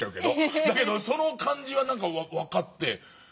だけどその感じは何か分かって。